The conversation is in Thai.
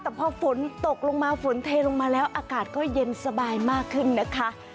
แต่พอฝนตกลงมาฝนเทลงมาแล้วอากาศก็เย็นสบายมากขึ้นนะคะ